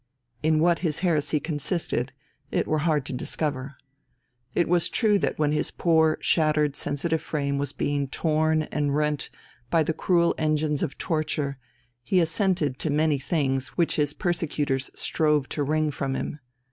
In what his heresy consisted it were hard to discover. It was true that when his poor, shattered, sensitive frame was being torn and rent by the cruel engines of torture, he assented to many things which his persecutors strove to wring from him.